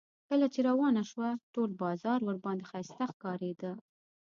کله چې روانه شوه ټول بازار ورباندې ښایسته ښکارېده.